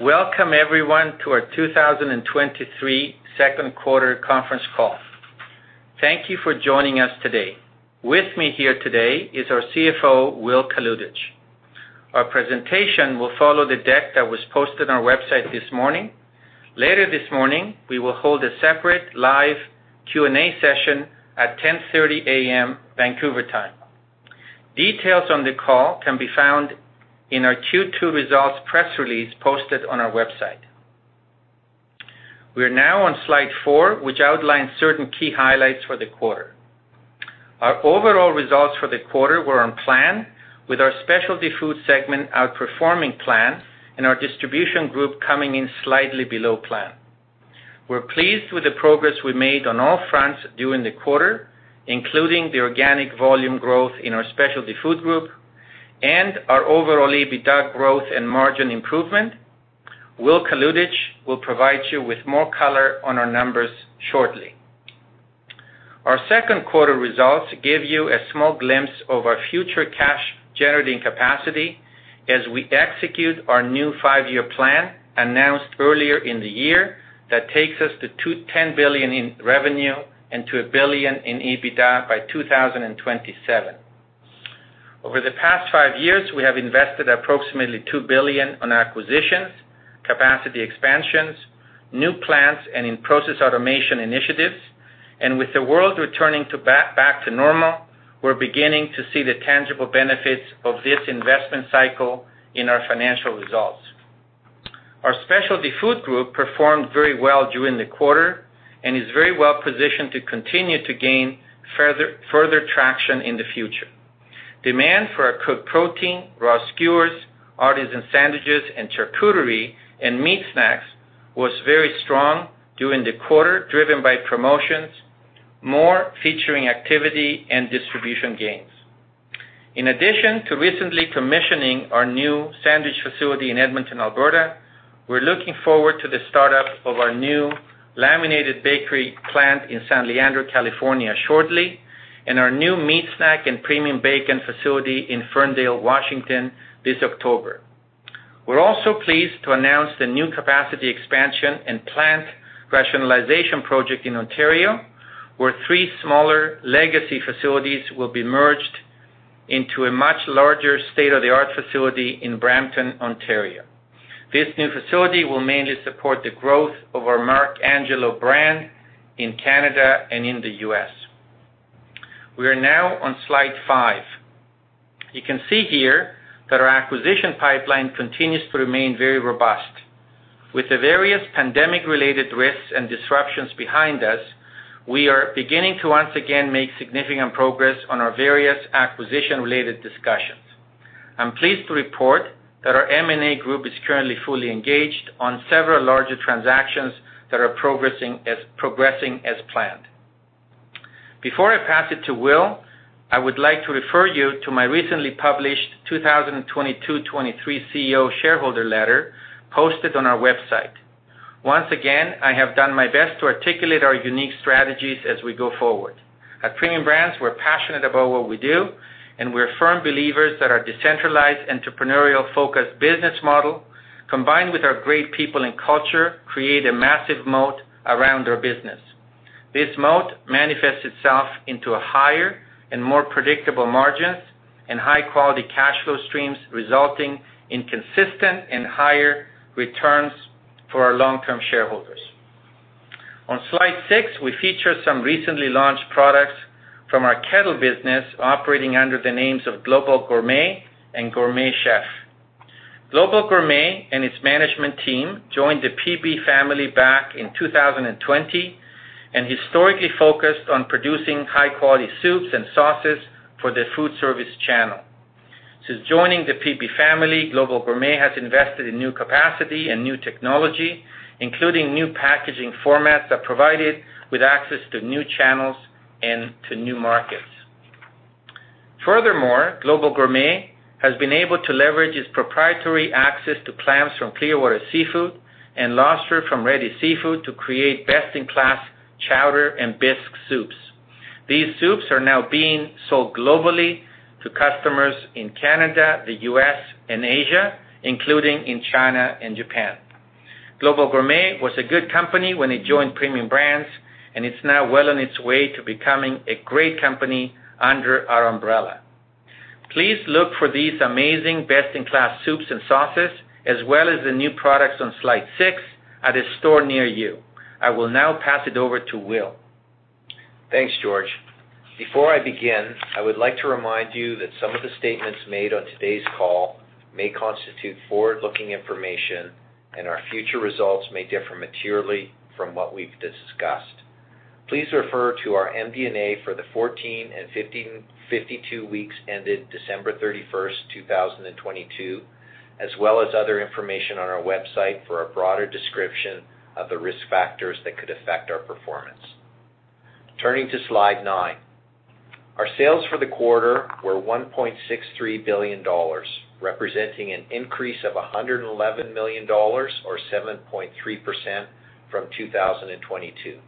Welcome everyone to our 2023 2Q conference call. Thank you for joining us today. With me here today is our CFO, Will Kalutycz. Our presentation will follow the deck that was posted on our website this morning. Later this morning, we will hold a separate live Q&A session at 10:30 A.M., Vancouver time. Details on the call can be found in our Q2 results press release posted on our website. We are now on slide 4, which outlines certain key highlights for the quarter. Our overall results for the quarter were on plan, with our Specialty Foods segment outperforming plan and our Premium Food Distribution Group coming in slightly below plan. We're pleased with the progress we made on all fronts during the quarter, including the organic volume growth in our Specialty Foods group and our overall EBITDA growth and margin improvement. Will Kalutycz will provide you with more color on our numbers shortly. Our second quarter results give you a small glimpse of our future cash-generating capacity as we execute our new five-year plan, announced earlier in the year, that takes us to 10 billion in revenue and to 1 billion in EBITDA by 2027. Over the past 5 years, we have invested approximately 2 billion on acquisitions, capacity expansions, new plants, and in process automation initiatives. With the world returning to back to normal, we're beginning to see the tangible benefits of this investment cycle in our financial results. Our Specialty Foods group performed very well during the quarter and is very well positioned to continue to gain further traction in the future. Demand for our cooked protein, raw skewers, artisan sandwiches, and charcuterie and meat snacks was very strong during the quarter, driven by promotions, more featuring activity and distribution gains. In addition to recently commissioning our new sandwich facility in Edmonton, Alberta, we're looking forward to the startup of our new Laminated Bakery plant in San Leandro, California, shortly, and our new meat snack and premium bacon facility in Ferndale, Washington, this October. We're also pleased to announce the new capacity expansion and plant rationalization project in Ontario, where three smaller legacy facilities will be merged into a much larger state-of-the-art facility in Brampton, Ontario. This new facility will mainly support the growth of our MarcAngelo brand in Canada and in the U.S. We are now on slide five. You can see here that our acquisition pipeline continues to remain very robust. With the various pandemic-related risks and disruptions behind us, we are beginning to once again make significant progress on our various acquisition-related discussions. I'm pleased to report that our M&A group is currently fully engaged on several larger transactions that are progressing as planned. Before I pass it to Will, I would like to refer you to my recently published 2022, 2023 CEO Shareholder Letter, posted on our website. Once again, I have done my best to articulate our unique strategies as we go forward. At Premium Brands, we're passionate about what we do, and we're firm believers that our decentralized, entrepreneurial, focused business model, combined with our great people and culture, create a massive moat around our business. This moat manifests itself into a higher and more predictable margins and high-quality cash flow streams, resulting in consistent and higher returns for our long-term shareholders. On slide 6, we feature some recently launched products from our Kettle business, operating under the names of Global Gourmet and Gourmet Chef. Global Gourmet and its management team joined the PB family back in 2020, and historically focused on producing high-quality soups and sauces for the foodservice channel. Since joining the PB family, Global Gourmet has invested in new capacity and new technology, including new packaging formats that provided with access to new channels and to new markets. Furthermore, Global Gourmet has been able to leverage its proprietary access to clams from Clearwater Seafoods and lobster from Ready Seafood to create best-in-class chowder and bisque soups. These soups are now being sold globally to customers in Canada, the U.S., and Asia, including in China and Japan. Global Gourmet was a good company when it joined Premium Brands, and it's now well on its way to becoming a great company under our umbrella. Please look for these amazing best-in-class soups and sauces, as well as the new products on slide six, at a store near you. I will now pass it over to Will. Thanks, George. Before I begin, I would like to remind you that some of the statements made on today's call may constitute forward-looking information. Our future results may differ materially from what we've discussed. Please refer to our MD&A for the 52 weeks ended December 31, 2022, as well as other information on our website for a broader description of the risk factors that could affect our performance. Turning to slide 9. Our sales for the quarter were 1.63 billion dollars, representing an increase of 111 million dollars, or 7.3% from 2022.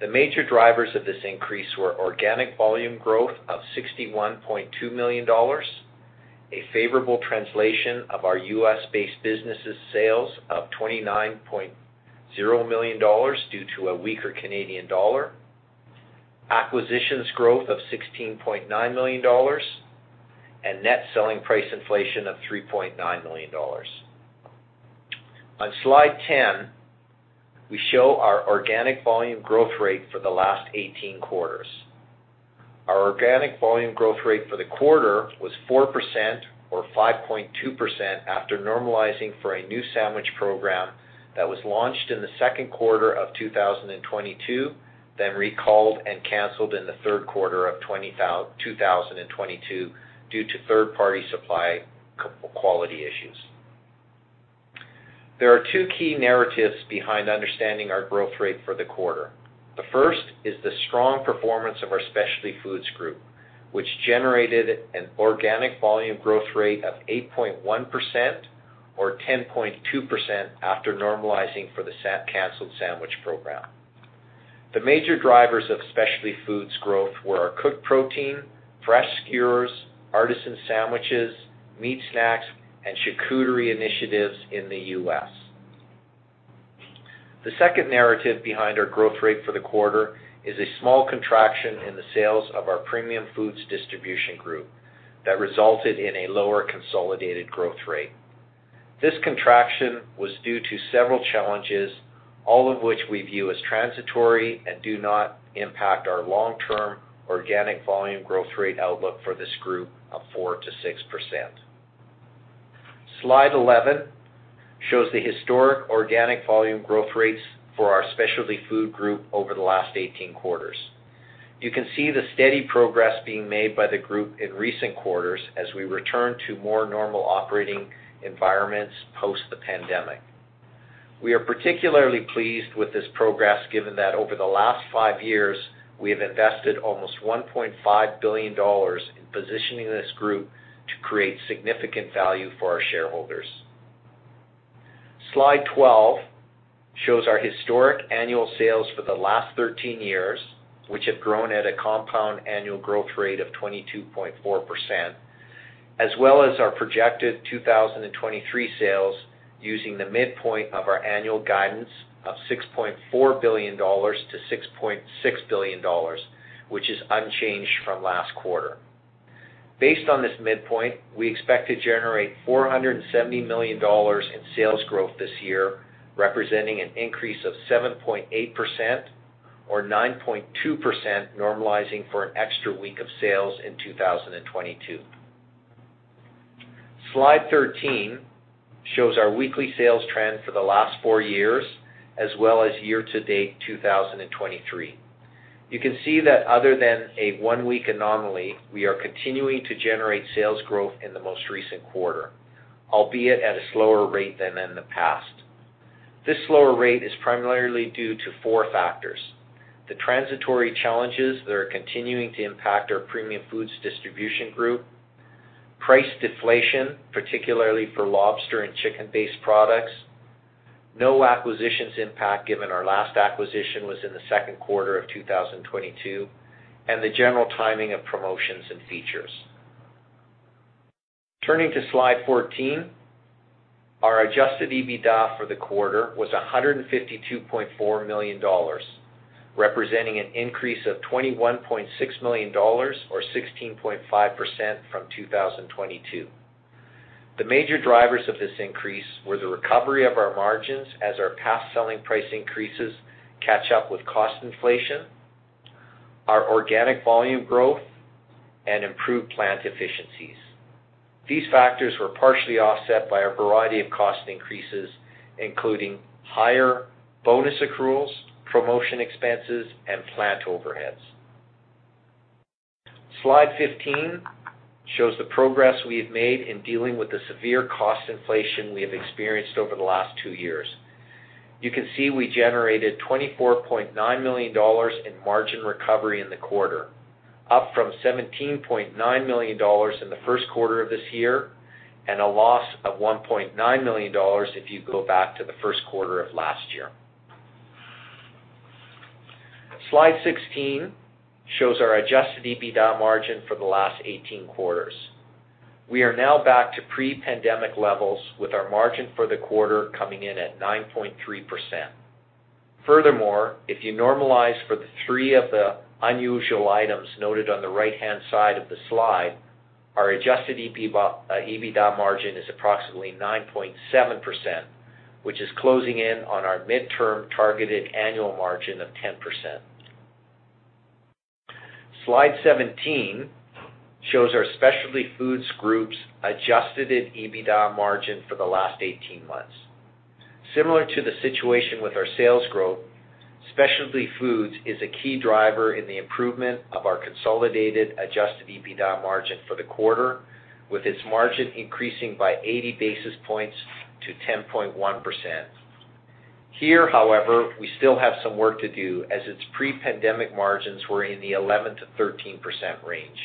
The major drivers of this increase were organic volume growth of 61.2 million dollars, a favorable translation of our U.S.-based business's sales of 29.0 million dollars due to a weaker Canadian dollar, acquisitions growth of 16.9 million dollars, and net selling price inflation of 3.9 million dollars. On Slide 10, we show our organic volume growth rate for the last 18 quarters. Our organic volume growth rate for the quarter was 4% or 5.2% after normalizing for a new sandwich program that was launched in Q2 2022, then recalled and canceled in Q3 2022 due to third-party supply quality issues. There are two key narratives behind understanding our growth rate for the quarter. The first is the strong performance of our Specialty Foods Group, which generated an organic volume growth rate of 8.1% or 10.2% after normalizing for the canceled sandwich program. The major drivers of Specialty Foods growth were our cooked protein, fresh skewers, artisan sandwiches, meat snacks, and charcuterie initiatives in the U.S. The second narrative behind our growth rate for the quarter is a small contraction in the sales of our Premium Food Distribution Group that resulted in a lower consolidated growth rate. This contraction was due to several challenges, all of which we view as transitory and do not impact our long-term organic volume growth rate outlook for this group of 4%-6%. Slide 11 shows the historic organic volume growth rates for our Specialty Foods group over the last 18 quarters. You can see the steady progress being made by the group in recent quarters as we return to more normal operating environments post the pandemic. We are particularly pleased with this progress, given that over the last five years, we have invested almost 1.5 billion dollars in positioning this group to create significant value for our shareholders. Slide 12 shows our historic annual sales for the last 13 years, which have grown at a compound annual growth rate of 22.4%, as well as our projected 2023 sales, using the midpoint of our annual guidance of 6.4 billion-6.6 billion dollars, which is unchanged from last quarter. Based on this midpoint, we expect to generate $470 million in sales growth this year, representing an increase of 7.8% or 9.2%, normalizing for an extra week of sales in 2022. Slide 13 shows our weekly sales trend for the last 4 years as well as year-to-date 2023. You can see that other than a 1-week anomaly, we are continuing to generate sales growth in the most recent quarter, albeit at a slower rate than in the past. This slower rate is primarily due to 4 factors: the transitory challenges that are continuing to impact our Premium Food Distribution Group, price deflation, particularly for lobster and chicken-based products, no acquisitions impact, given our last acquisition was in Q2 2022, and the general timing of promotions and features. Turning to Slide 14, our Adjusted EBITDA for the quarter was 152.4 million dollars, representing an increase of 21.6 million dollars or 16.5% from 2022. The major drivers of this increase were the recovery of our margins as our past selling price increases catch up with cost inflation, our organic volume growth, and improved plant efficiencies. These factors were partially offset by a variety of cost increases, including higher bonus accruals, promotion expenses, and plant overheads. Slide 15 shows the progress we have made in dealing with the severe cost inflation we have experienced over the last two years. You can see we generated 24.9 million dollars in margin recovery in the quarter, up from 17.9 million dollars in the first quarter of this year, and a loss of 1.9 million dollars if you go back to the first quarter of last year. Slide 16 shows our Adjusted EBITDA margin for the last 18 quarters. We are now back to pre-pandemic levels, with our margin for the quarter coming in at 9.3%. Furthermore, if you normalize for the three of the unusual items noted on the right-hand side of the slide, our Adjusted EBITDA margin is approximately 9.7%, which is closing in on our midterm targeted annual margin of 10%. Slide 17 shows our Specialty Foods Group's Adjusted EBITDA margin for the last 18 months. Similar to the situation with our sales growth, Specialty Foods is a key driver in the improvement of our consolidated Adjusted EBITDA margin for the quarter, with its margin increasing by 80 basis points to 10.1%. Here, however, we still have some work to do, as its pre-pandemic margins were in the 11%-13% range.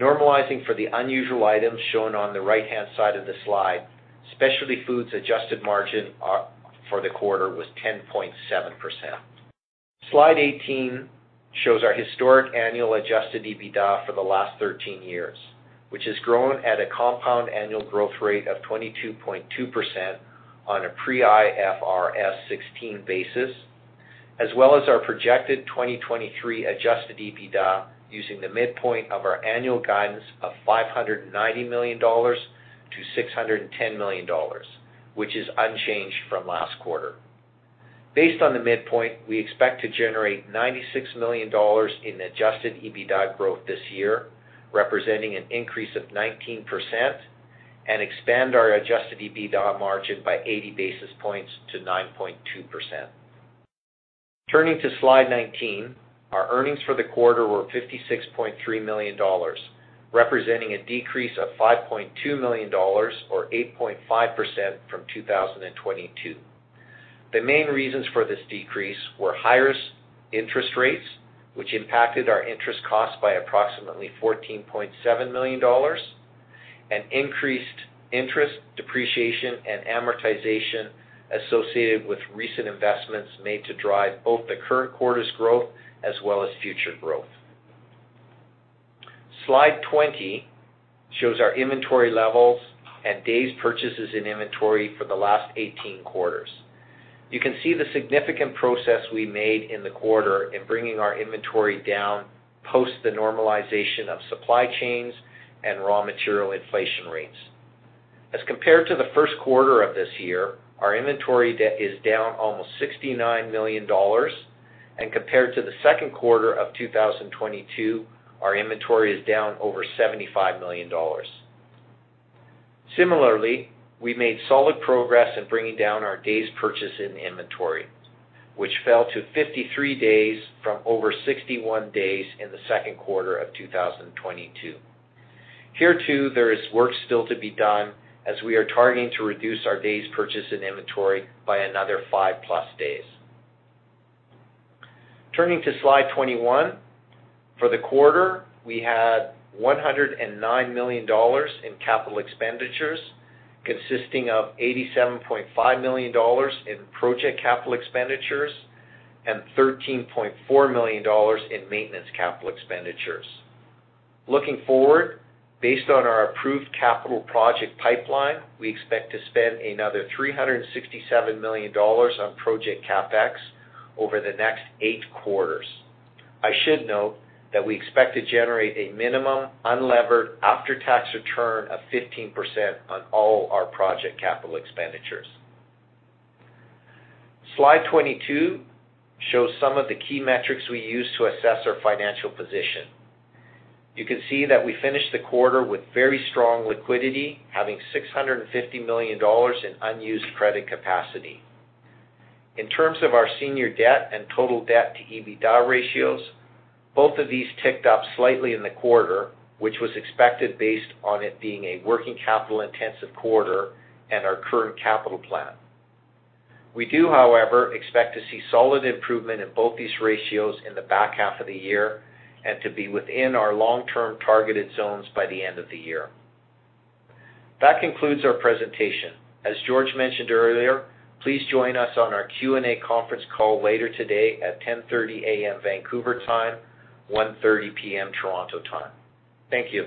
Normalizing for the unusual items shown on the right-hand side of the slide, Specialty Foods adjusted margin for the quarter was 10.7%. Slide 18 shows our historic annual Adjusted EBITDA for the last 13 years, which has grown at a compound annual growth rate of 22.2% on a pre-IFRS 16 basis, as well as our projected 2023 Adjusted EBITDA, using the midpoint of our annual guidance of 590 million-610 million dollars, which is unchanged from last quarter. Based on the midpoint, we expect to generate 96 million dollars in Adjusted EBITDA growth this year, representing an increase of 19%, and expand our Adjusted EBITDA margin by 80 basis points to 9.2%. Turning to slide 19, our earnings for the quarter were 56.3 million dollars, representing a decrease of 5.2 million dollars, or 8.5% from 2022. The main reasons for this decrease were higher interest rates, which impacted our interest costs by approximately 14.7 million dollars, and increased interest, depreciation, and amortization associated with recent investments made to drive both the current quarter's growth as well as future growth. Slide 20 shows our inventory levels and days purchases in inventory for the last 18 quarters. You can see the significant progress we made in the quarter in bringing our inventory down post the normalization of supply chains and raw material inflation rates. As compared to the first quarter of this year, our inventory debt is down almost 69 million dollars, compared to the Q2 2022, our inventory is down over 75 million dollars. Similarly, we made solid progress in bringing down our days purchase in inventory, which fell to 53 days from over 61 days in Q2 2022. Here, too, there is work still to be done, as we are targeting to reduce our days purchase in inventory by another 5+ days. Turning to slide 21, for the quarter, we had 109 million dollars in capital expenditures, consisting of 87.5 million dollars in project capital expenditures and 13.4 million dollars in maintenance capital expenditures. Looking forward, based on our approved capital project pipeline, we expect to spend another 367 million dollars on project CapEx over the next 8 quarters. I should note that we expect to generate a minimum unlevered after-tax return of 15% on all our project capital expenditures. Slide 22 shows some of the key metrics we use to assess our financial position. You can see that we finished the quarter with very strong liquidity, having $650 million in unused credit capacity. In terms of our senior debt and total debt to EBITDA ratios, both of these ticked up slightly in the quarter, which was expected based on it being a working capital-intensive quarter and our current capital plan. We do, however, expect to see solid improvement in both these ratios in the back half of the year and to be within our long-term targeted zones by the end of the year. That concludes our presentation. As George mentioned earlier, please join us on our Q&A conference call later today at 10:30 A.M., Vancouver time, 1:30 P.M., Toronto time. Thank you.